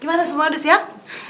gimana semua udah siap